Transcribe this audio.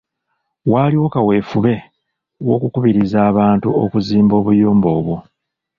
Waaliwo kaweefube w‘okukubiriza abantu okuzimba obuyumba obwo